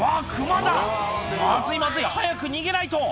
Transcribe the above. まずいまずい早く逃げないと」